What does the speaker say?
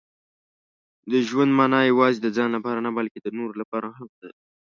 • د ژوند مانا یوازې د ځان لپاره نه، بلکې د نورو لپاره هم ده.